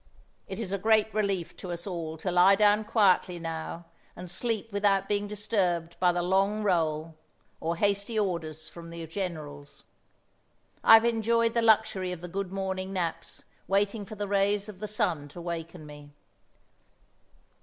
It is a great relief to us all to lie down quietly now and sleep without being disturbed by the 'long roll' or hasty orders from the generals. I have enjoyed the luxury of the good morning naps, waiting for the rays of the sun to waken me.